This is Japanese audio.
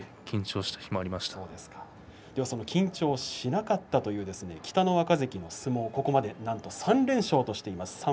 緊張しなかったという北の若関の相撲ここまでなんと３連勝としています。